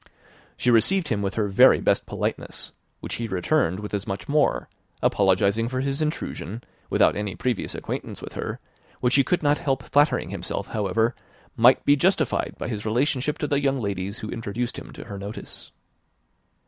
She received him with her very best politeness, which he returned with as much more, apologizing for his intrusion, without any previous acquaintance with her, which he could not help flattering himself, however, might be justified by his relationship to the young ladies who introduced him to her notice.